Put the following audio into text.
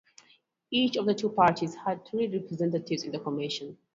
Each of the two parties had three representatives in the commission.